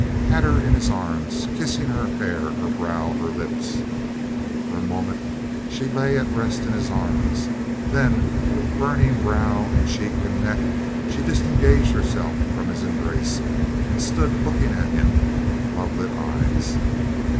had her in his arms, kissing her hair, her brow, her lips. For a minute she lay at rest in his arms; then, with burning brow and cheek and neck, she disengaged herself from his embrace, and stood looking at him with lovelit eyes.